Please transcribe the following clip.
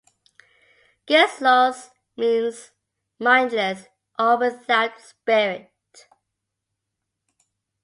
"Geistlos" means 'mindless' or 'without spirit'.